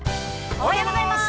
◆おはようございます。